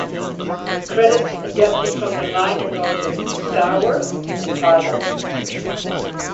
Credits adapted from the liner notes of "Sour" and Tidal.